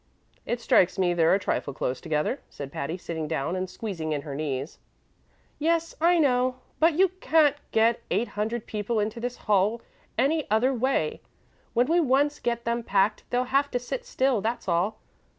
"It strikes me they're a trifle close together," said Patty, sitting down and squeezing in her knees. "Yes, I know; but you can't get eight hundred people into this hall any other way. When we once get them packed they'll have to sit still, that's all.